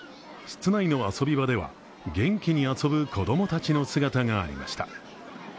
室内の遊び場では元気に遊ぶ子供たちの姿がありました。